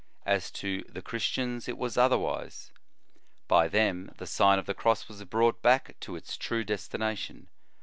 As to the Chris tians, it was otherwise. By them the Sign of the Cross was brought back to its true destination.